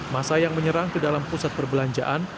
masa yang menyerang ke dalam pusat perbelanjaan